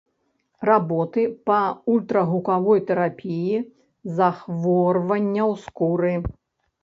Работы па ультрагукавой тэрапіі захворванняў скуры.